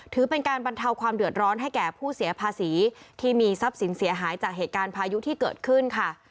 ถือเป็นการบรรเทาความเดือดร้อนให้แก่ผู้เสียภาษีที่มีทรัพย์สินเสียหายจากเหตุการณ์พายุที่เกิดขึ้นค่ะ